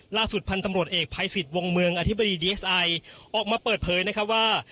ล่าสุดพันธ์ตำรวจเอกภัยสิทธิ์วงเมืองอธิบดีดีเอสไอออกมาเปิดเผยนะครับว่า